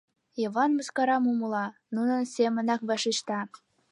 Йыван мыскарам умыла, нунын семынак вашешта: